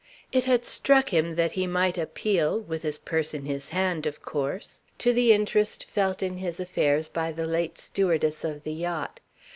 It had struck him that he might appeal with his purse in his hand, of course to the interest felt in his affairs by the late stewardess of the yacht.